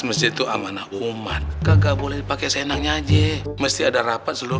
masjid itu amanah umat kagak boleh pakai senangnya aja mesti ada rapat seluruh